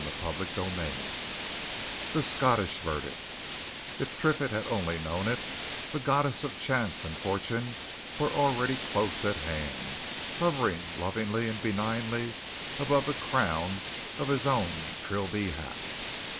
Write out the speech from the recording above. CHAPTER XIV THE SCOTTISH VERDICT If Triffitt had only known it, the Goddesses of Chance and Fortune were already close at hand, hovering lovingly and benignly above the crown of his own Trilby hat.